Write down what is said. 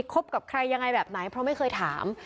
คบกับใครยังไงแบบไหนเพราะไม่เคยถาม